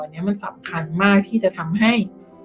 อันนี้มันสำคัญมากที่จะทำให้